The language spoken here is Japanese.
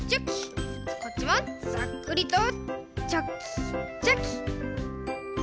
こっちもざっくりとチョキチョキ。